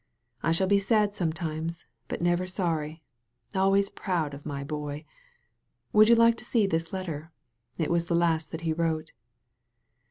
I shall be sad sometimes, but never sorry — always proud of my boy. Would you like to see this letter? It is the last that he wrote."